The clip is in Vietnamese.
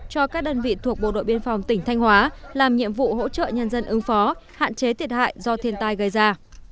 cho các đơn vị thuộc bộ đội biên phòng tỉnh thanh hóa làm nhiệm vụ hỗ trợ nhân dân ứng phó hạn chế thiệt hại do thiên tai gây ra